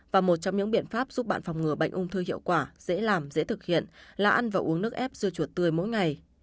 và một trong những biện pháp giúp bạn phòng ngừa bệnh ung thư hiệu quả dễ làm dễ thực hiện là ăn và uống nước ép dưa chuột tươi mỗi ngày